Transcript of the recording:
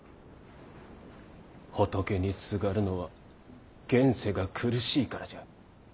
仏にすがるのは現世が苦しいからじゃ。